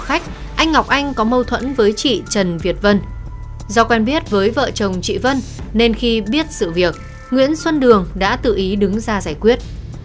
anh ngọc anh có mâu thuẫn với chị trần việt vân do quen biết với vợ chồng chị vân nên khi biết sự việc nguyễn xuân đường đã tự ý đứng ra giải quyết